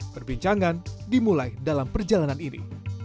perbincangan dimulai dalam perjalanan ini